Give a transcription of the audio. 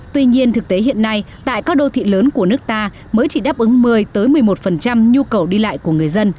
tuy nhiên thực tế hiện nay tại các đô thị lớn của nước ta mới chỉ đáp ứng một mươi một mươi một nhu cầu đi lại của người dân